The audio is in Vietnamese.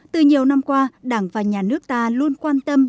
từ nhiều năm qua đảng và nhà nước ta luôn quan tâm